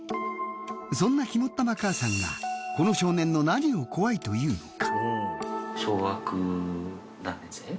そんな肝っ玉母さんがこの少年の何を怖いというのか？